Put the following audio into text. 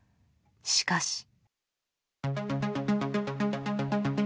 しかし。